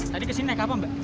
tadi kesini naik kapal mbak